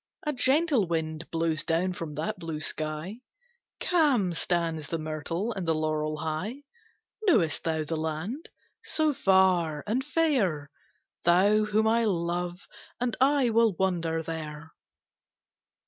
A gentle wind blows down from that blue sky; Calm stands the myrtle and the laurel high. Knowest thou the land? So far and fair! Thou, whom I love, and I will wander there.